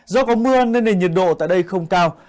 do có mưa nên nền nhiệt độ tại đây không cao